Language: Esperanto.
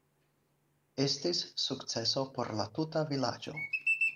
Estis sukceso por la tuta vilaĝo.